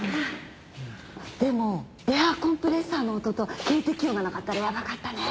でもエアコンプレッサーの音と警笛音がなかったらやばかったね！